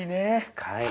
深い。